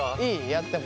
やっても？